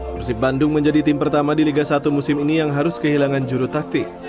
persib bandung menjadi tim pertama di liga satu musim ini yang harus kehilangan juru taktik